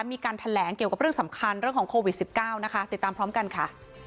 มีการแถลงเกี่ยวกับเรื่องสำคัญเรื่องของโควิด๑๙นะคะติดตามพร้อมกันค่ะ